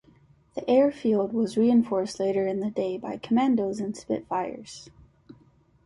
The airfield was reinforced later in the day by commandos and Spitfires.